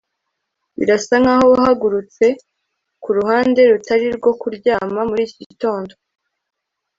birasa nkaho wahagurutse kuruhande rutari rwo kuryama muri iki gitondo